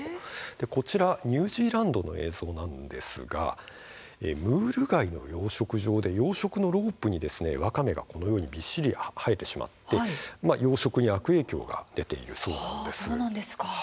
こちらはニュージーランドの映像ですがムール貝の養殖場で養殖用のロープに、わかめがびっしりと生えてしまってこれによって養殖が悪影響を受けているということなんです。